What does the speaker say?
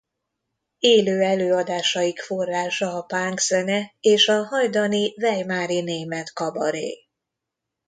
Élő előadásaik forrása a punk zene és a hajdani weimari német kabaré.